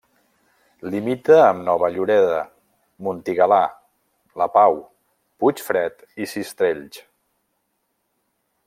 Limita amb Nova Lloreda, Montigalà, La Pau, Puigfred i Sistrells.